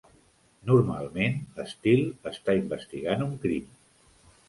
Normalment, Steele està investigant un crim.